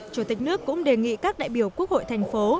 chủ tịch nước cũng đề nghị các đại biểu quốc hội thành phố